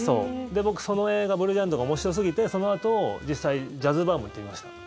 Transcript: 僕、その映画「ＢＬＵＥＧＩＡＮＴ」が面白すぎて、そのあと実際ジャズバーも行ってみました。